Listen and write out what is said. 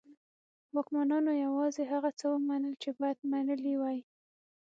واکمنانو یوازې هغه څه ومنل چې باید منلي وای.